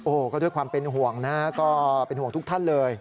โอ้โหก็ด้วยความเป็นห่วงนะก็เป็นห่วงทุกท่านเลย